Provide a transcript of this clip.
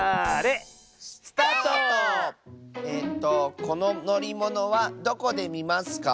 えとこののりものはどこでみますか？